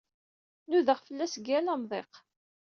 Nudaɣ fell-as deg yal amḍiq.